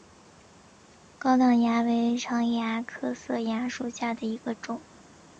高梁蚜为常蚜科色蚜属下的一个种。